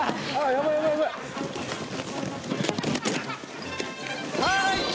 やばいやばいはい！